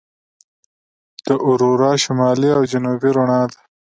د اورورا شمالي او جنوبي رڼا ده.